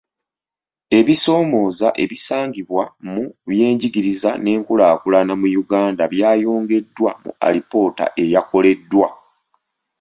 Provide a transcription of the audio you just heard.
Ebisoomooza ebisangibwa mu byenjigiriza n'enkulaakulana mu Uganda byayogeddwa mu alipoota eyakoleddwa.